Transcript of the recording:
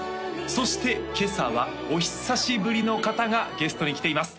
そして今朝はお久しぶりの方がゲストに来ています